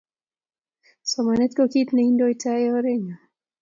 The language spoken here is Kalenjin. Somanet ko kit ne indoitae orenyo